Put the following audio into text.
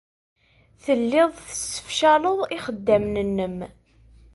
Telliḍ tessefcaleḍ ixeddamen-nnem.